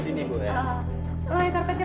kalau yang karpetnya bawa aja